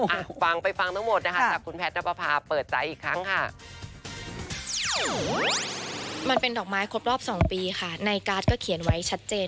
เอ้าฟังไปฟังทั้งหมดนะคะ